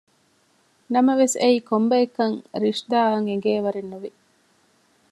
ނަމަވެސް އެއީ ކޮންބައެއްކަން ރިޝްދާއަށް އެނގޭވަރެއް ނުވި